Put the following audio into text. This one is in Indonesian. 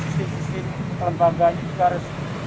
sisi sisi kelembagaan juga harus berubah